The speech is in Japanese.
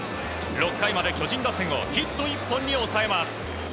６回まで巨人打線をヒット１本に抑えます。